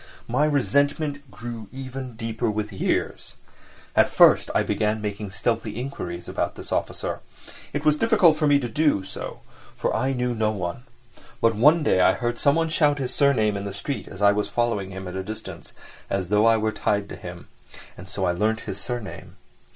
My resentment grew even deeper with years. At first I began making stealthy inquiries about this officer. It was difficult for me to do so, for I knew no one. But one day I heard someone shout his surname in the street as I was following him at a distance, as though I were tied to him—and so I learnt his surname.